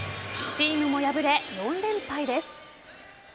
チームも敗れ４連敗です。